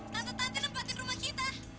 tante tante nempatin rumah kita